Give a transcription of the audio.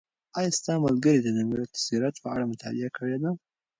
آیا ستا ملګري د نبوي سیرت په اړه مطالعه کړې ده؟